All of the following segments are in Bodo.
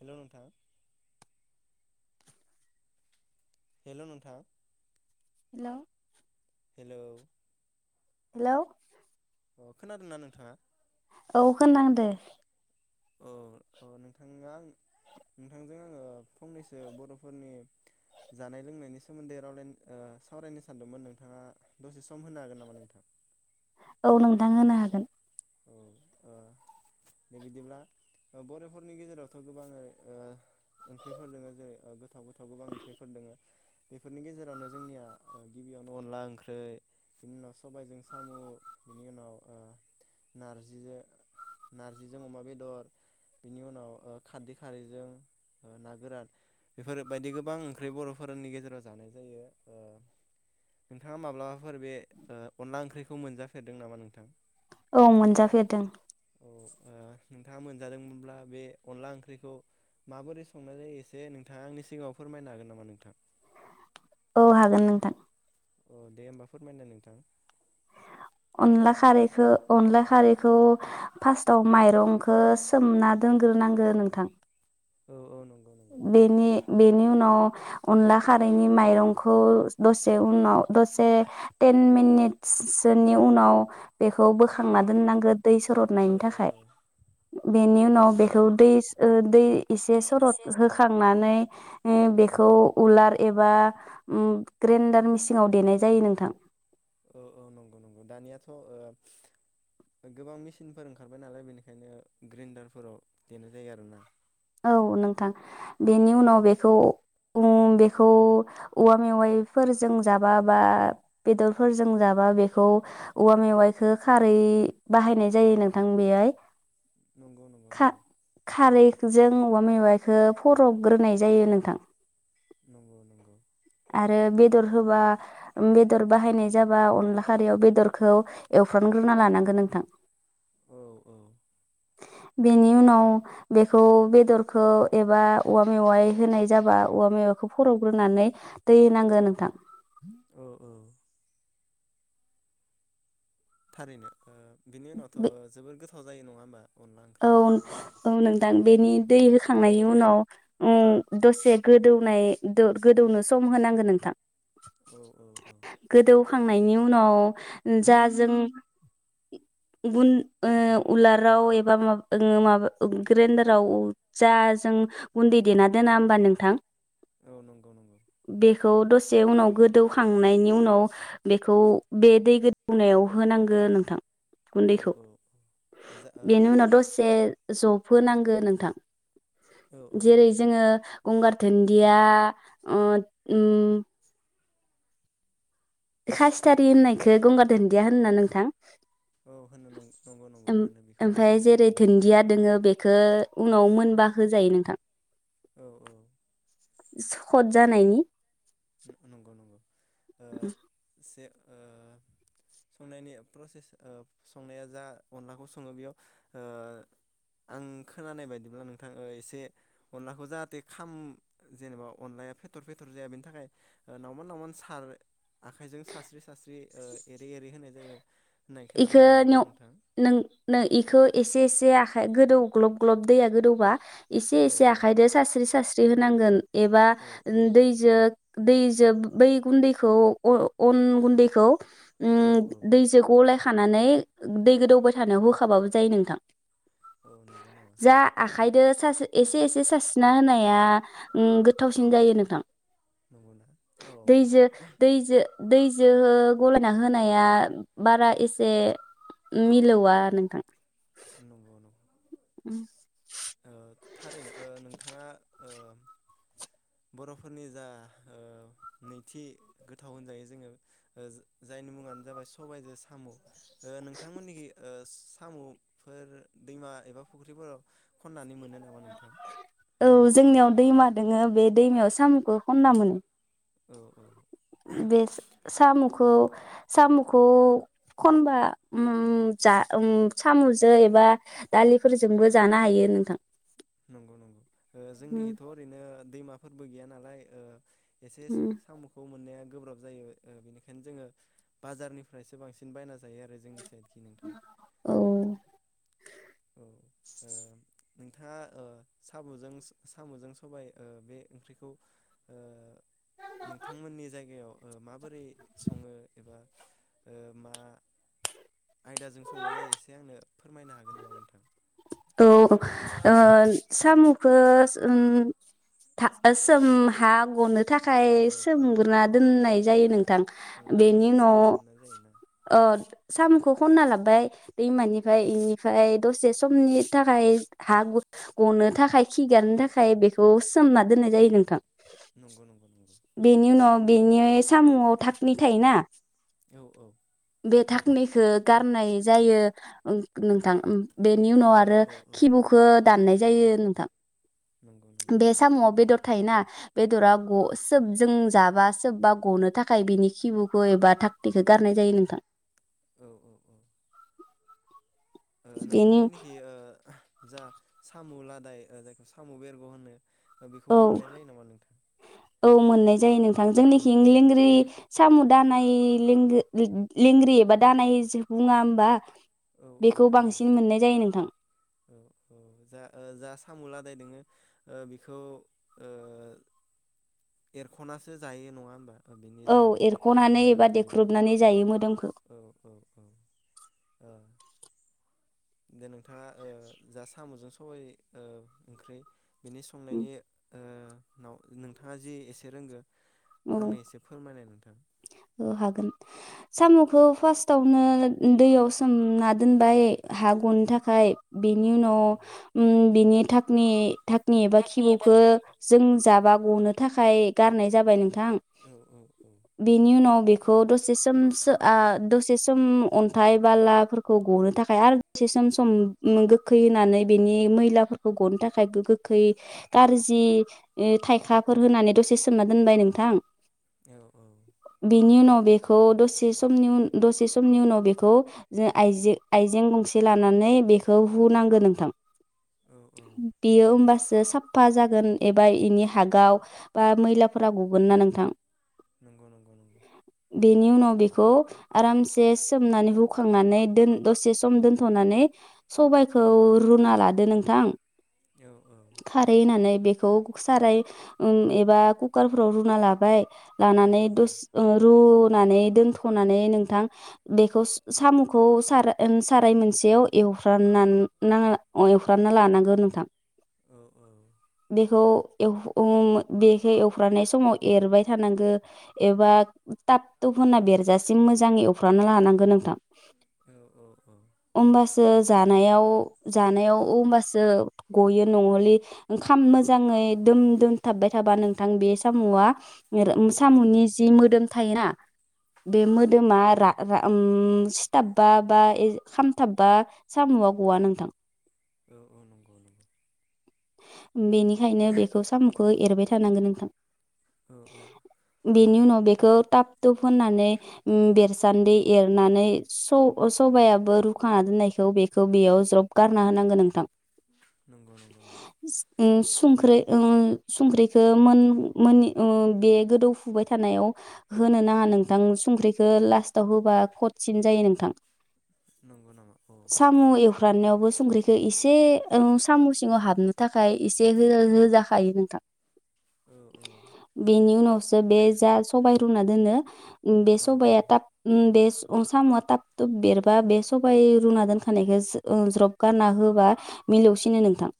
हेलौ नोंथां। हेलौ नोंथां हेलौ हेलौ हेलौ अ खोनादोंना नोंथाङा अ खोनादो औ औ नोंथाङां नोंथांजों ओ फंनैसो बरफोरनि जानाय लोंनायनि सोमोन्दै रायलाय ओ सावरायनो सानदोंमोन नोंथाङा दसे सम होनो हागोन नामा नोंथां औ नोंथां होनो हागोन औ दा बिदिब्ला बरफोरनि गेजेरावथ गोबां ओ ओंख्रिफोर दोङो जेरै गोथाव गोथाव गोबां ओंख्रिफोर दोङो बेफोरनि गेजेरावनो जोंनिया गिबियावनो अनला ओंख्रि बिनि उनाव सबायजों साम बिनि उनाव ओ नारजिजों नार्जिजों अमा बेदर बिनि उनाव ओ खारदै खारैजों ना गोरान बेफोर बायदि गोबां ओंख्रि बरफोरनि गेजेराव जानाय जायो ओ नोंथाङा माब्लाबाफोर बे अनला ओंख्रिखौ मोनजाफेरदों नामा नोंथां औ मोनजाफेरदों औ ओ नोंथाङा मोनजादोंमोनब्ला बे अनला ओंख्रिखौ माबोरै संनाय जायो एसे नोंथाङा आंनि सिगाङाव फोरमायनो हागोन नामा नोंथां औ हागोन नोंथां अ दे होमबा फोरमायलाय नोंथां अनला खारैखौ अनला खारैखौ फार्स्टआव माइरंखो सोमना दोनग्रोनांगो नोंथां औ औ नंगौ नंगौ बेनि बेनि उनाव अनला खारैनि माइरंखौ दसे उनाव दसे टेन मिनिटसोनि उनाव बेखौ बोखांना दोननांगो दै औ सरदनायनि औ थाखाय औ बेनि उनाव बेखौ दैस ओ दै एसे सरत होखांनानै ओ बेखौ उलार एबा ओम ग्रेडार मेचिनाव देनाय जायो नोंथां औ औ नंगौ नंगौ दानियाथ ओ गोबां मेचिनफोर ओंखारबाय नालाय बेनिखायनो ग्रेन्डारफोराव देनाय जायो आरोना औ नोंथां औ बेनि औ उनाव बेखौ बेखौ औवा मेवाइफोरजों जाबा बा बेदरफोरजों जाबा बेखौ औवा मेवाइखो खारै बाहायनाय जायो नोंथां बेहाय नंगौ नंगौ नंगौ जों औवा मेवाइखौ फरबग्रोनाय जायो नोंथां नंगौ नंगौ आरो बेदर होबा बेदर बाहायनाय जाबा अनला खारैयाव बेदरखौ एवफ्रामग्रोना लानांगोन नोंथां औ औ बेनि उनाव बे बेखौ बेदरखौ एबा औवा मेवाय होनाय जाबा औवा मेवायखौ फरबग्रोनानै दै होनांगौ नोंथां औ औ थारैनो ओ बिनि उनावथ' बे ओ जोबोर गोथाव गोथाव जायो नङा होमबा अनला औ ओंख्रिया औ नोंथां औ बेनि दै दै होखांनायनि होखा उनाव उम दसे गोदौनाय गोदौनो सम होनांगोन नोंथां औ औ औ गोदौ होखांनायनि उनाव जा जों ओ उलाराव ओ मा-माबा ग्रेनदाराव जा जों गुनदै देनां दोना होनबा नोंथां औ नंगौ नंगौ बेखौ दसे उनाव गोदौखांनायनि उनाव बेखौ बे दै गोदौनायाव होनांगौ नोंथां औ गुन्दैखौ औ जा ओ बेनि उनाव दसे जफ हो नांगौ नोंथां ओ औ जेरै जोङो गंगार धोनदिया खासिथारि होननायखौ गंगार दोनदिया होनो ना नोंथां। औ होनो नंगौ नंगौ होनो बेखौनो होनो ओमफाय जेरै जोंनिखिबो दुन्दिया दोङो बेखौ उनाव मोनबा होजायो नोंथां औ औ सथ जानायनि नंगौ नंगौ एसे ओ संनायनि प्रसेस ओ संनाया जा अनलाखौ सङो बेयाव आं खोनानाय बायदिब्ला नोंथाङ एसे अनलाखौ जाहाथे खाम जेनेबा अनलाया फेथर फेथर जाया बेनि थाखाय नावमोन नावमोन सार आखाइजों सास्रि सास्रि एरै एरै होनाय जायो। होननाय खोनादों इखो नंगौना नियाव नोंथां नो एसे एसे आखा गोदौ ग्लब ग्लब दैया गोदौबा एसे औ एसे औ आखाइदो सास्रि सास्रि दै होनांगोन एबा औ औ नंगौ दैजों दैजों बै गुन्दैखौ अ अन गुन्दैखौ औ उम औ दैजो गलाय खानानै दै गोदौबाय थानायाव होखाबाबो जायो नोंथां। औ नंगौ नामा जा औ आखाइदो सासे एसे एसे सारस्रिना होनाया गोथावसिन जायो नोंथां। नंगौना औ दैजो दैजो दैजो गलायना होनाया बारा एसे। बे मिलौआ नोंथां। नंगौ नंगौ थारैनो ओ नोंथाङा ओ बर'फोरनि जा नैथि गोथाव होनजायो जोङो जायनि मुङानो जाबाय सबायाइजों साम' ओ नोंथांमोननि ओस सामफोर दैमा एबा फुख्रिफोराव। खननानै मोनो। नामा नोंथां? औ जोंनियाव दैमा दोङो बे दैमायाव साम'खौ खनना मोनो। औ औ। बे साम'खौ साम'खौ खनबा ओम जा ओम सामजों एबा दालिफोरजोंबो जानो हायो नोंथां। नंगौ नंगौ जोंनिखिथ' ओरैनो दैमा फोरबो गैया नालाय ओ एसे साम'खौ मोननाया गोब्राब जायो बेनिखायनो जोङो बाजारनिफ्रयसो बांसिन बायना जायो आरो जोंनि साइड। नोंथां। औ औ ओ नोंथाङा ओ साम'जों साम'जों सबाय ओ बे ओंख्रिखौ ओ नोंथांमोननि जायगायाव ओ मा माबोरै सङो एबा ओ मा आयदाजों संनाय जायो एसे आंनो फोरमायनो हागोन नामा? नोंथां। औ ओम साम'खौ सोमथा सोमहा गनो। थाखाय औ औ सोमग्रोना दोननाय जायो नोंथां औ बेनि हरसे उनाव सिगां सोमनाय जायोना ओ साम'खौ खनना लाब्बाय दैमानिफ्राय इनिफ्राय दसे समनि थाखाय हा गु गनो थाखाय खि गारनो औ औ थाखाय बेखौ सोमना दोननाय जायो नोंथां। नंगौ नंगौ नंगौ। बेनि उनाव बेनि साम'आव धाकनि थायोना औ औ। बे धाकनिखौ गारनाय जायो नोंथां। बेनि उनाव औ आरो औ औ खिबुखौ दाननाय जायो नोंथां। नंगौ नंगौ बे साम'आव बेदर थायो ना बेदरा ग सोबजों जाबा सोबबा गनो थाखाय बिनि खिबुखौ एबा धाकनिखौ गारनाय जायो नोंथां। औ औ औ। बेनि नोंथांमोननिखि ओ जा साम' लादाय जायखौ साम' बेरग' होनो औ बेखौबो मोननाय जायो नामा नोंथां? औ मोननाय जायो नोंथां औ जोंनिखि औ लेंग्रि साम' दानाय लेंगि लेंग्रि एबा दानाय बुङा होमबा? औ औ बेखौ होनो नों बांसिन मोननाय जायो नोंथां औ औ जा जा साम' लादाय दङो। ओ बिखौ ओ एरख'नासो जायो नङा होमबा? बिनि औ जा एरख'नानै मोदोम एबा थायो बेखौ देख्रुबनानै जायो मोदोमखो औ औ औ ओ दे नोंथाङा ओ जा साम'जों सबाय ओ ओंख्रि बिनि संनायनि ओ नोंथाङा जि एसे रोंगो औ आंनो एसे फोरमायनाय नों औ हागोन साम'खौ फार्स्टआवनो दैयाव सोमना दोनबाय हा गनो थाखाय बिनि औ उनाव ओम बिनि धाकनि धाकनि एबा खिबौखो जों जाबा गनो थाखाय गारनाय जाबाय नों थां औ अम बेनि उनाव बेखौ दसे सम ओ दसे सम अन्थाइ बालाफोरखौ गनो थाखाय आरो दसे सम-सम गोखै होनानै बेनि मैलाफोरखौ गनो थाखाय गोखै कारजि थायखाफोर होनानै दसे सोमना दोनबाय नोंथां औ औ बेनि उनाव बेखौ दसे समनि दसे समनि उनाव बेखौ ज आइजें-आइजें गंसे लानानै बेखौ हुनांगो नोंथां औ औ बेयो होमबासो साफा जा गोन एबा इनि हागाव बा मैलाफोरा गगोन ना नोंथां नंगौ नंगौ नंगौ खौ आरामसे सोमनानै हुखांनानै दोन दसे सम दोन्थ'नानै सबायाइखौ रुना लादो नोंथां औ औ खारै होनानै बेखौ साराय ओम एबा कुकारफोराव रुना लाबाय लानानै नंगौ नंगौ दस ओ रुनानै दोनथ'नानै नोंथां बेखौ साम'खौ सार-साराय मोनसेयाव एवफ्रानना-एवफ्रामना लानांगौ नोंथां औ बेखौ बेखौ एवफ्रानाय समाव एरबाय थानांगो एबा टाब थुब होनना बेरजासिम मोजां एवफ्रामना लानांगौ नोंथां औ औ औ ओमबा ओ जानायाव जानायाव ओमबासो गयो नहलि खाम मोजाङै दोम दोनथाबबाय थाबा नोंथां बे साम'आ औ साम'नि जि मोदोम थायोना बे मोदोमा रा-रा उम सिथाब बा-बा ए खामथाबबा साम'आ गवा नोंथां औ औ नंगौ नंगौ बेनिखायनो बेखौ साम' खौ एरबाय थानांगो नोंथां औ ओ बेनि उनाव बेखौ ताब थुब होननानै ओ बेरसान्दै एरनानै स-सबायाबो रुखाना दोननायखौ बेखौ बेयाव ज्रब गारना होनांगौ नोंथां नंगौ नंगौ नंगौ अम संख्रै अम संख्रिखो मोन मोनि ओं बे गोदौफुबाय थानायाव होनो नाङा नोंथां संख्रिखौ लास्टाव होबा खतसिन जायो नोंथां। नंगौ नामा औ साम' एवफ्रामनायावबो संख्रिखौ एसे ओम साम' सिङाव हाबनो थाखाय एसे हो-होजाखायो नोंथां औ औ बेनि उनाव वसो बे जा सबबाय रुना दोनो बे औ सबाया थाब ओम बे साम'आ थाब थुब बेरबा बे सबाइ रुना दोनखानायखौ ज्रब गारना होबा मिलौसिनो नोंथां।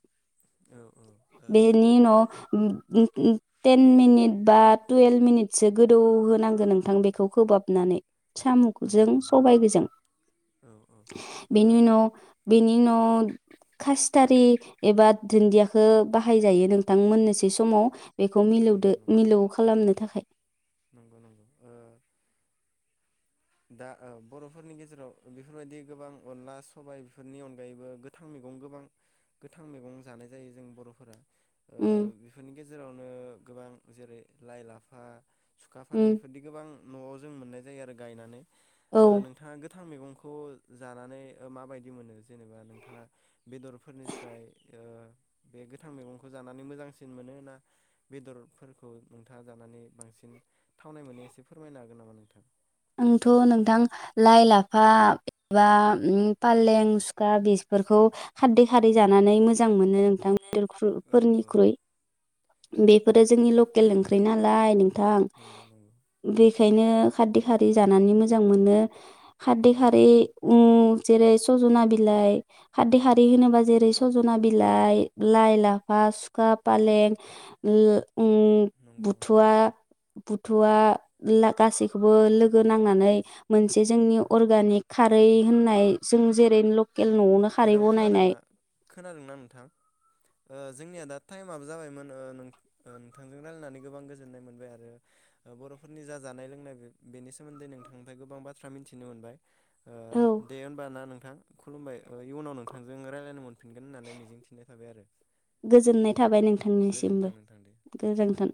औ ओ बे बिनि उनाव टेन मिनिट बा टुवेल्भ मिनिटसो गोदौ होनांगौ नोंथां बेखौ खोबहाबनानै नंगौ साम'जों नंगौ सबायाइ नंगौ गोजों औ ओ बेनि उनाव बेनि उनाव खासटारि एबा दुन्दियाखौ बाहाय जायो नोंथां मोननोसै समाव बेखौ नंगौ मिलौदो नंगौ मिलौ खालामनो थाखाय। नंगौ नंगौ ओ दा ओ बर'फोरनि गेजेराव बेफोरबायदि गोबां अनला सबाय बेफोरनि अनगायैबो गोथां मैगं गोबां गोथां मैगं जानाय जायो जों बर'फोरा ओ उम बेफोरनि गेजेरावनो गोबां जेरै लाइ लाफा सुखा फालें उम बेफोरदि गोबां न'आव जों मोननाय जायो आरो। गायनानै औ ओ नोंथाङा‌ गो गोथां मैगंखौ जानानै ओ माबायदि मोनो जेनेबा नोंथाङा बेदरफोरनिस्राय ओ बे गोथां मैगंखौ जानानै मोजांसिन मोनो ना बेदरफोरखौ नोंथाङा जानानै बांसिन थावनाय मोनो एसे फोरमायनो हागोन नामा नोंथां? आंथ' नोंथां लाइ लाफा एबा ओं फालें सुखा बेफोरखौ खारदै खारदै जानानै मोज मोजां मोनो नोंथां [unintelligible] फोरनिख्रुइ बे फोरो जोंनि लकेल ओंख्रि नालाय नोंथां नंगौ नंगौ बे बेखायनो खारदै हारि जानानै मोजां मोनो। खाददै औ खारै नंगौ ओं जेरै सजना बिलाइ खारदै खारै होनोबा जेरै सजना बिलाइ लाइ लाफा सुखा फालें ल ओम नंगौ नंगौ बुथुवा बुथुवा गासिखौ बो लोगो नांनानै मोनसे जोंनि अरगानिख खारै होननाय जों जेरै लकेल न'आवनो खारै हेल' बनायनाय खोनादोंना खोनादोंना नोंथां? जोंनिया दा टाइमआ जाबायमोन नोंथांजों रायजलायनानै गोबां गोजोननाय मोनबाय आरो बर'फोरनि जा जानाय लोंनाय बेनि सोमोन्दै नोंथांनिफ्राय गोबां बाथ्रा मिथिनो मोनबाय ओ औ दे होमबा ना नोंथां। खुलुमबाय इयुनाव नोंथांजों रायज्लायनो मोनफिनगोन होननानै मिजिंथिनाय थाबाय आरो गोजोननाय थाबाय नोंथांनिसिमबो गोजोनथों नोंथां दे। गोजोन्थों